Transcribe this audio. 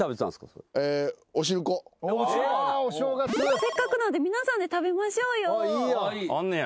せっかくなので皆さんで食べましょうよ。あんねや。